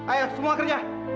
ayo semua kerja